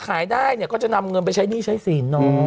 หลายล้านมากใช่ไหม